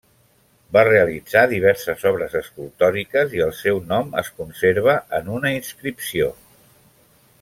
Va realitzar diverses obres escultòriques i el seu nom es conserva en una inscripció.